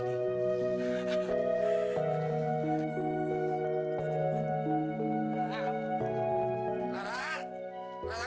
aku mau ke rumah